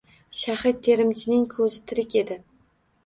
Shahid temirchining ko’zi tirik edi